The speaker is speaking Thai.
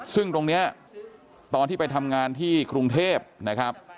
ซึ่งตรงนี้ตอนที่ไปทำงานที่กรุงเทพนะครับ